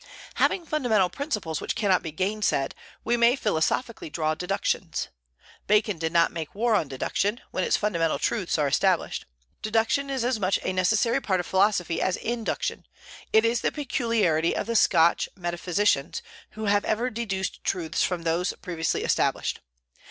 Having fundamental principles which cannot be gainsaid, we may philosophically draw deductions. Bacon did not make war on deduction, when its fundamental truths are established. Deduction is as much a necessary part of philosophy as induction: it is the peculiarity of the Scotch metaphysicians, who have ever deduced truths from those previously established.